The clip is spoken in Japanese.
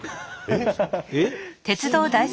えっ？